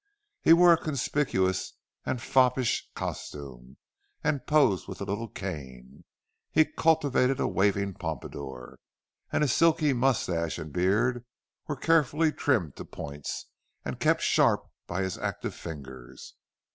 He wore a conspicuous and foppish costume, and posed with a little cane; he cultivated a waving pompadour, and his silky moustache and beard were carefully trimmed to points, and kept sharp by his active fingers.